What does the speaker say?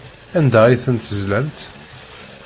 Anda ay ten-tezlamt?